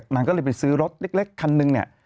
นางก็เลยไปซื้อรถเล็กคันนึงเนี่ย